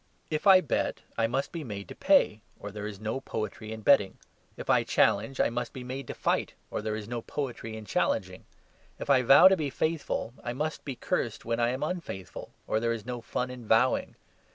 If I bet I must be made to pay, or there is no poetry in betting. If I challenge I must be made to fight, or there is no poetry in challenging. If I vow to be faithful I must be cursed when I am unfaithful, or there is no fun in vowing.